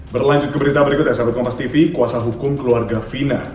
berlanjut ke berita berikutnya saya bukman pas tv kuasa hukum keluarga vina